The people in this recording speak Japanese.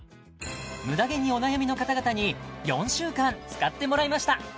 ムダ毛にお悩みの方々に４週間使ってもらいました